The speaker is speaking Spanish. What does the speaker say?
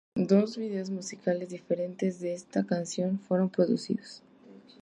Dos vídeos musicales diferentes de esta canción fueron producidos.